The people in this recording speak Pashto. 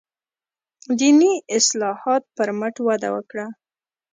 دیني اصلاحاتو پر مټ وده وکړه.